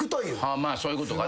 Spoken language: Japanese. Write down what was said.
まあそういうことかな。